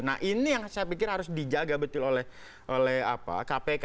nah ini yang saya pikir harus dijaga betul oleh kpk